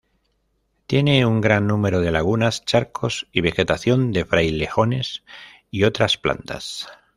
Tiene un gran número de lagunas, charcos y vegetación de frailejones y otras plantas.